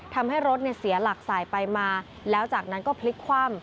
ทำให้รถเสียหลักสายไปมาแล้วจากนั้นก็พลิกคว่ำ